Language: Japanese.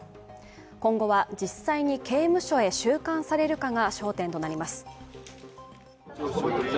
今後は実際に刑務所へ収監されるかが焦点となります。